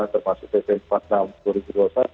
termasuk pp empat puluh enam dua ribu dua puluh satu